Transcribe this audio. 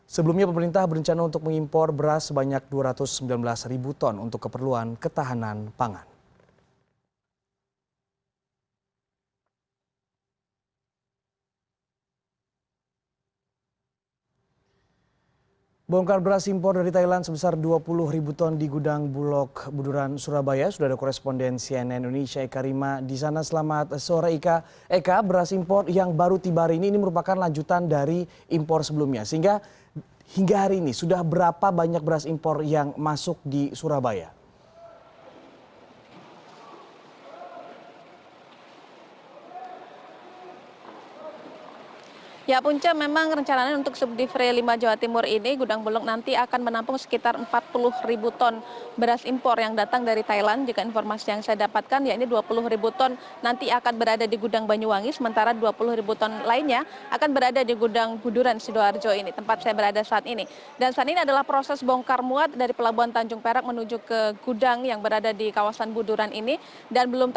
sebelumnya pemerintah berencana untuk mengimpor beras sebanyak dua ratus sembilan belas ribu ton untuk keperluan ketahanan pangan